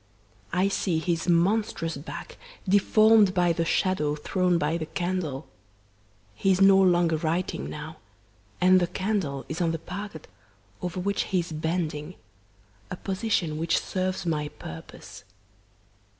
I see his monstrous back, deformed by the shadow thrown by the candle. He is no longer writing now, and the candle is on the parquet, over which he is bending a position which serves my purpose.